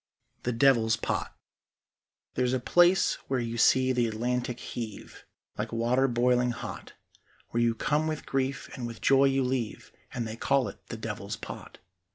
THE DEVIL'S POT There's a place where you see the Atlantic heave Like water boiling hot; Where you come with grief and with joy you leave, And they call it the Devil's Pot.